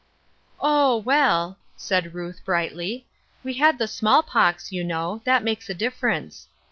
"Oh, well," said Ruth, brightly, "we had the small pox, 3^ou know; that makes a difference.